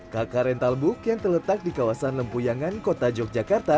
kk rental book yang terletak di kawasan lempuyangan kota yogyakarta